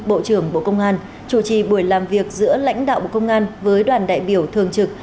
bộ trưởng bộ công an chủ trì buổi làm việc giữa lãnh đạo bộ công an với đoàn đại biểu thường trực